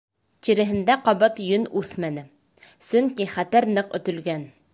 Тиреһендә ҡабат йөн үҫмәне, сөнки хәтәр ныҡ өтөлгән.